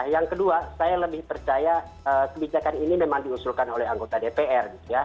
yang kedua saya lebih percaya kebijakan ini memang diusulkan oleh anggota dpr